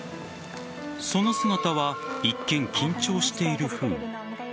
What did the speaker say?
その姿は一見緊張している風。